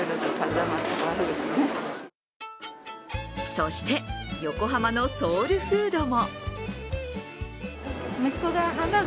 そして、横浜のソウルフードも。